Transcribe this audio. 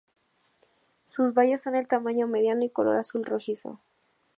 Sus bayas son de tamaño mediano y color azul rojizo.